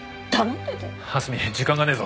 蓮見時間がねえぞ！